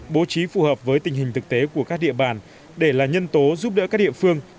bố trí phù hợp với tình hình thực tế của các địa bàn để là nhân tố giúp đỡ các địa phương